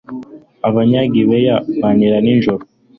abanyagibeya bantera nijoro